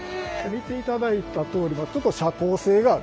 見ていただいたとおりちょっと遮光性がある。